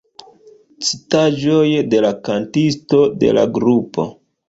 Citaĵoj de la kantisto de la grupo.